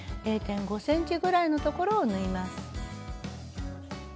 ０．５ｃｍぐらいの所を縫います。